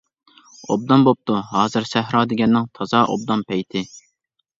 — ئوبدان بوپتۇ، ھازىر سەھرا دېگەننىڭ تازا ئوبدان پەيتى.